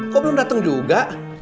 kok belum dateng juga